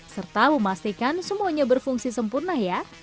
serta memastikan semuanya berfungsi sempurna ya